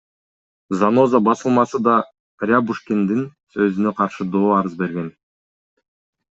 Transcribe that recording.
Заноза басылмасы да Рябушкиндин өзүнө каршы доо арыз берген.